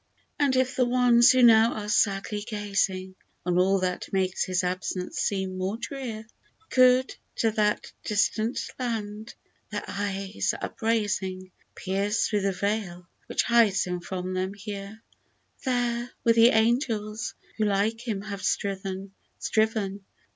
29 And if the ones who now are sadly gazing, On all that makes his absence seem more drear, Could, to that distant land their eyes upraising, Pierce through the veil which hides him from them here ; There, with the Angels, who like him have striven.